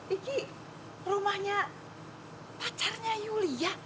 ini rumahnya pacarnya yulia